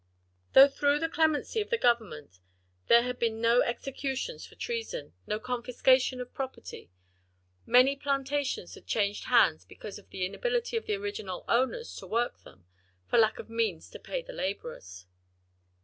Though through the clemency of the Government there had been no executions for treason, no confiscation of property, many plantations had changed hands because of the inability of the original owners to work them, for lack of means to pay the laborers.